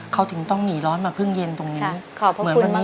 เขาถึงต้องหนีร้อนมาพึ่งเย็นตรงนี้